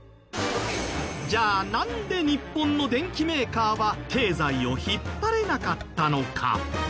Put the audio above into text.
じゃあなんで日本の電機メーカーは経済を引っ張れなかったのか？